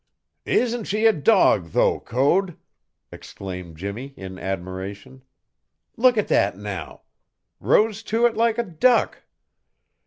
"Isn't she a dog, though, Code?" exclaimed Jimmie in admiration. "Look at that now! Rose to it like a duck.